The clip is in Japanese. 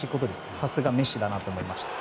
さすがメッシだなと思いました。